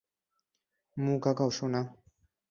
মুখ আগাও, সোনা।